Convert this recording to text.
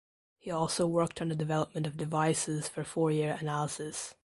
He also worked on the development of devices for Fourier analysis.